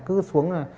cứ xuống này